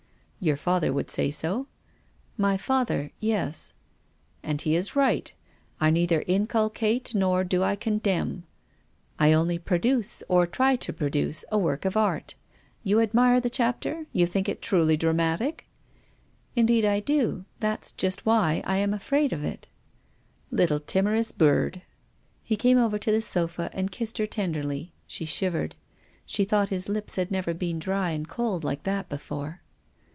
" Your father would say so." " My father — yes." " And he is right. I neither inculcate nor do I condemn. I only produce, or try to produce, a " WILLIAM FOSTER." I4I work of art. You admire the chapter ? You think it truly dramatic ?"" Indeed I do — that's just why I am afraid of it. " Little timorous bird." He came over to the sofa and kissed her ten derly. She shivered. She thought his lips had never been dry and cold like that before.